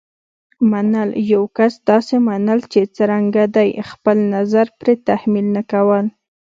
منل: یو کس داسې منل چې څرنګه دی. خپل نظر پرې تحمیل نه کول.